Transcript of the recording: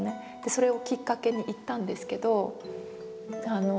それをきっかけに行ったんですけど。